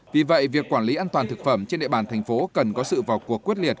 vì vậy việc quản lý an toàn thực phẩm trên địa bàn thành phố cần có sự vào cuộc quyết liệt